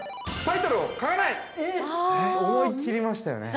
◆思い切りましたよね。